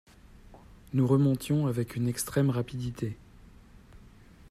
Nous remontions avec une extrême rapidité.